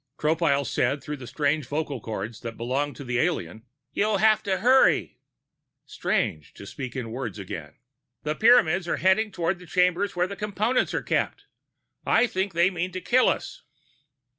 Tropile said through the strange vocal cords that belonged to the alien: "You'll have to hurry." (Strange to speak in words again!) "The Pyramids are heading toward the chambers where the Components are kept. I think they mean to kill us."